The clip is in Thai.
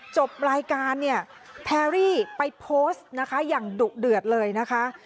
จบรายการเนี่ยแพรรี่ไปโพสต์นะคะอย่างดุเดือดเลยนะคะ